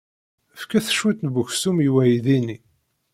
Fket cwiṭ n weksum i weydi-nni.